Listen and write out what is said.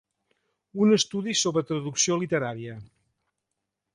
Un estudi sobre traducció literària.